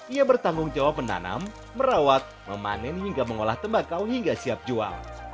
ia bertanggung jawab menanam merawat memanen hingga mengolah tembakau hingga siap jual